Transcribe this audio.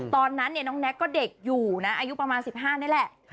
ตอนนั้นน้องแน็กก็เด็กอยู่นะอายุประมาณ๑๕นี่แหละ